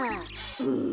うん。